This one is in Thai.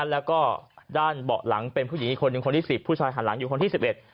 แล้วก็ด้านเบาะหลังเป็นผู้หญิงอีกคนหนึ่งคนที่สิบผู้ชายหันหลังอยู่คนที่สิบเอ็ด